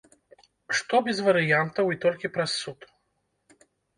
Што без варыянтаў і толькі праз суд?